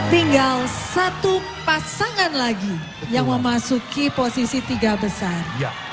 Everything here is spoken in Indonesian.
tinggal satu pasangan lagi yang memasuki posisi tiga besar